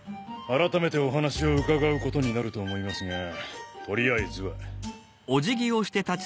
あらためてお話を伺うことになると思いますがとりあえずは。